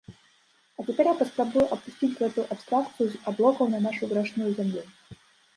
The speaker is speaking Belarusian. А цяпер я паспрабую апусціць гэтую абстракцыю з аблокаў на нашу грэшную зямлю.